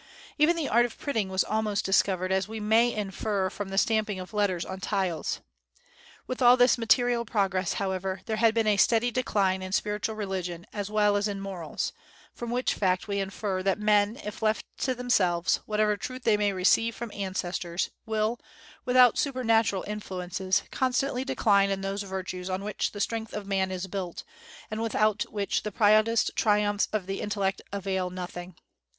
Even the art of printing was almost discovered, as we may infer from the stamping of letters on tiles. With all this material progress, however, there had been a steady decline in spiritual religion as well as in morals, from which fact we infer that men if left to themselves, whatever truth they may receive from ancestors, will, without supernatural influences, constantly decline in those virtues on which the strength of man is built, and without which the proudest triumphs of the intellect avail nothing.